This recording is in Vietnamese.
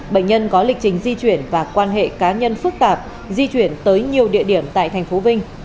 bệnh nhân có lịch trình di chuyển và quan hệ cá nhân phức tạp di chuyển tới nhiều địa điểm tại thành phố vinh